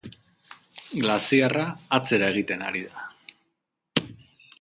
Glaziarra atzera egiten ari da.